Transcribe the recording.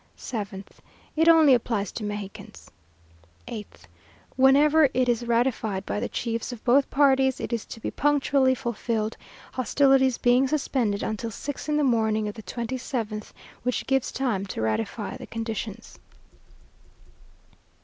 7th, It only applies to Mexicans. 8th, Whenever it is ratified by the chiefs of both parties, it is to be punctually fulfilled, hostilities being suspended until six in the morning of the twenty seventh, which gives time to ratify the conditions.